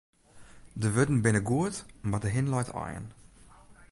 De wurden binne goed, mar de hin leit aaien.